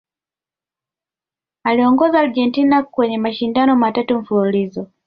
aliiongoza Argentina kwenye mashindano matatu mfululizo